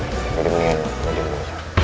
gak ada bunga gak ada bunga